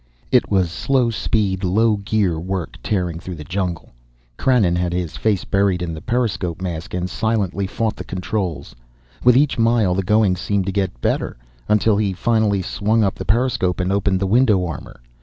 It was slow speed, low gear work tearing through the jungle. Krannon had his face buried in the periscope mask and silently fought the controls. With each mile the going seemed to get better, until he finally swung up the periscope and opened the window armor.